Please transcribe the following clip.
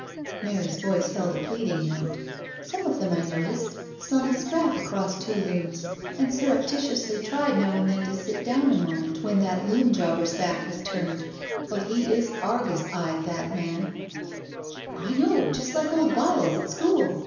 Mary's voice held a pleading note. " Some of them I noticed slung a strap across two looms and surreptitiously tried now and then to sit down a moment when that Loom Jobber's back was turned, but he is Argus eyed, that man "" I know, just like old Byles at school."